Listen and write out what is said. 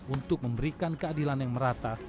untuk memberikan keadilan yang merata